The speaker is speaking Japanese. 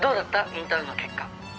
インターンの結果。